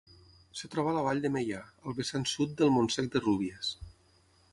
Es troba a la vall de Meià, al vessant sud del Montsec de Rúbies.